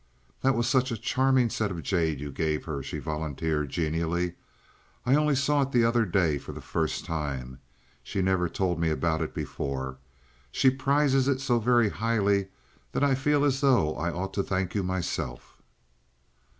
"That was such a charming set of jade you gave her," she volunteered, genially. "I only saw it the other day for the first time. She never told me about it before. She prizes it so very highly, that I feel as though I ought to thank you myself."